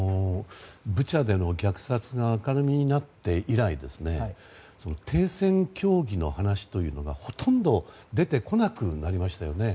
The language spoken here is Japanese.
ブチャでの虐殺が明るみになって以来停戦協議の話というのがほとんど出てこなくなりましたよね。